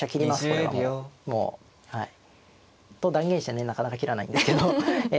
これはもう。と断言してねなかなか切らないんですけど。